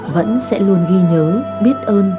vẫn sẽ luôn ghi nhớ biết ơn